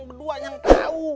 berdua yang tau